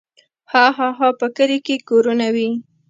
هاهاها په کلي کې کورونه وي.